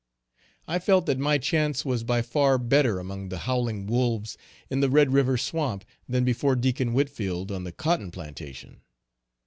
I felt that my chance was by far better among the howling wolves in the Red river swamp, than before Deacon Whitfield, on the cotton plantation.